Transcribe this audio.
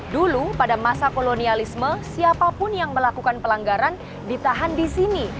dulu pada masa kolonialisme siapapun yang melakukan pelanggaran ditahan di sini